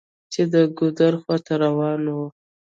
چې د ګودر خواته روان و.